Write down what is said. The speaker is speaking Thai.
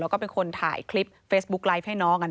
แล้วก็เป็นคนถ่ายคลิปเฟซบุ๊กไลฟ์ให้น้อง